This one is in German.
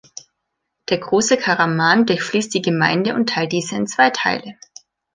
Der Große Karaman durchfließt die Gemeinde und teilt diese in zwei Teile.